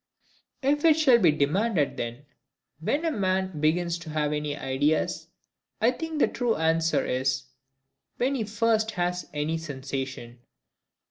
If it shall be demanded then, WHEN a man BEGINS to have any ideas, I think the true answer is,—WHEN HE FIRST HAS ANY SENSATION.